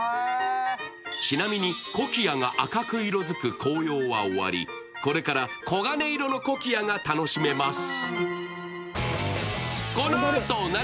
ちなみにコキアが赤く色づく紅葉は終わりこれから黄金色のコキアが楽しめます。